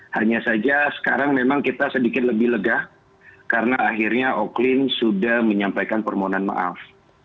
hanya saja sekarang memang kita sedikit lebih lega karena akhirnya oklin sudah menyampaikan permohonan maaf